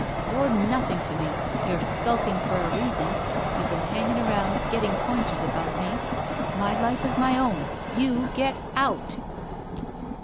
You're nothing to me. You're skulking for a reason. You've been hanging around, getting pointers about me. My life is my own! You get out!"